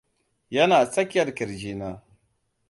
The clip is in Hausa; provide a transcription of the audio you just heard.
yana tsakiyar kirji na